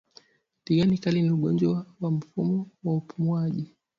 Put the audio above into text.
Ndigana kali ni ugonjwa wa mfumo wa upumuaji